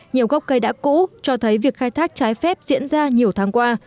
nhiều gốc cây đã cũ cho thấy việc khai thác trái phép diễn ra nhiều tháng qua